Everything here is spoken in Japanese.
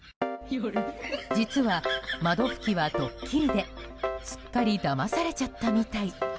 実は窓拭きはドッキリですっかりだまされちゃったみたい。